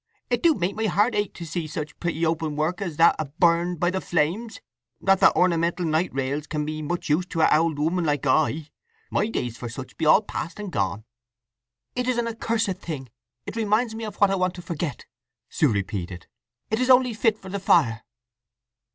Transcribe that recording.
"It do make my heart ache to see such pretty open work as that a burned by the flames—not that ornamental night rails can be much use to a' ould 'ooman like I. My days for such be all past and gone!" "It is an accursed thing—it reminds me of what I want to forget!" Sue repeated. "It is only fit for the fire."